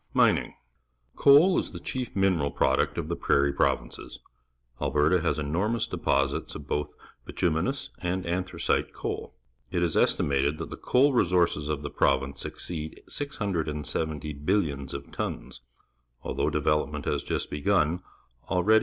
Mining. —( 'oal is the chief mineral pro duct of the Prairie Pro\'inces. Alberta ha s enormous deposits of both bit uminous and, anthracite coa l. It is estimated that the coal resources of the province exceed 670 billions of tons. Although development has just begun, already